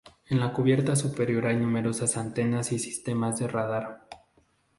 En la cubierta superior hay numerosas antenas y sistemas de radar.